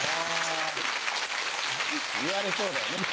言われそうだよね。